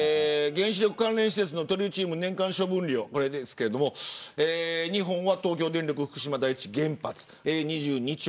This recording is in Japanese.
原子力関連施設のトリチウム年間処分量は日本は東京電力福島第１原発２２兆